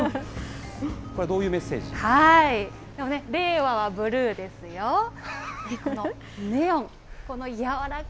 これはどういうメッセージですか？